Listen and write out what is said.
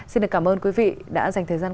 xin cảm ơn quý vị đã dành thời gian